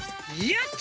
やった！